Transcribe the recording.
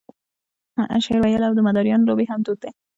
شعر ویل او د مداریانو لوبې هم دود وې.